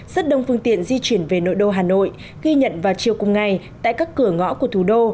rất đông phương tiện di chuyển về nội đô hà nội ghi nhận vào chiều cùng ngày tại các cửa ngõ của thủ đô